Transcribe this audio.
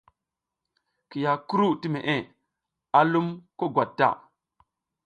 Kiya kuru ti meʼe a lum ko gwat ta.